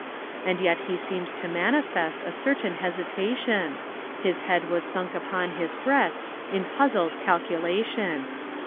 And yet he seemed to manifest A certain hesitation; His head was sunk upon his breast In puzzled calculation.